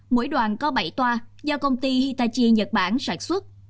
mỗi đoàn có bảy toa do công ty hitachi nhật bản sản xuất